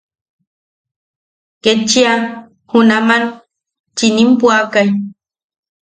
Ketchia junaman chiʼinim puakai.